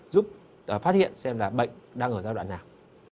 giúp phát hiện xem là bệnh đang ở giai đoạn nào